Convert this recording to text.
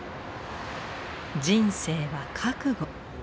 「人生は覚悟」。